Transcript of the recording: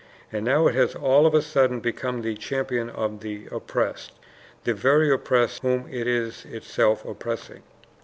And now it has all of a sudden become the champion of the oppressed the very oppressed whom it is itself oppressing.